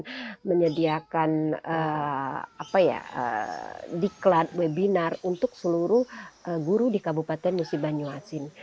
kita menyediakan diklat webinar untuk seluruh guru di kabupaten musi banyuasin